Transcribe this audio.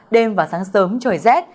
đêm và sáng sớm trời rét